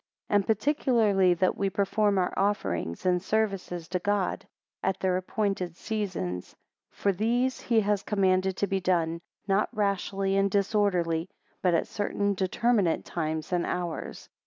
14 And particularly that we perform our offerings and service to God, at their appointed seasons for these he has commanded to be done, not rashly and disorderly, but at certain determinate times and hours.